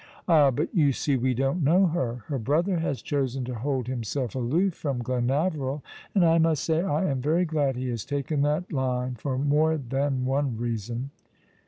"Ah, but you see we don't know her. Her brother has chosen to hold himself aloof from Glenaveril ; and I must say I am very glad he has taken that line — for more than one reason."